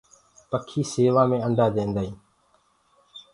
پکي سيوآ مي انڊآ ديندآ هينٚ۔